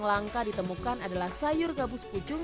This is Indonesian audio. langka ditemukan adalah sayur gabus pucung